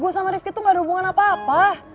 gue sama rifki tuh gak ada hubungan apa apa